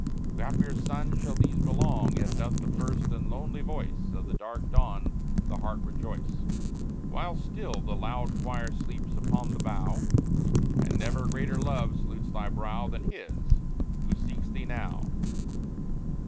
To happier sons shall these belong. Yet doth the first and lonely voice Of the dark dawn the heart rejoice, While still the loud choir sleeps upon the bough; And never greater love salutes thy brow Than his, who seeks thee now.